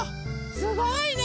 すごいね！